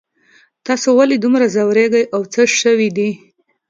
تاسو ولې دومره ځوریږئ او څه شوي دي